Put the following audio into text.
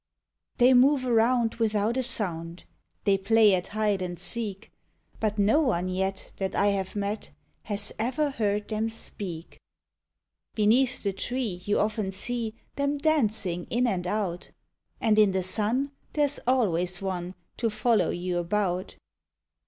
They move around without a sound, They play at hide and seek, Hut no oue yet that 1 have met lias ever heard them speak. Beneath the tree you often see Them dancing in and out, And in the sun there \s always one To follow you about.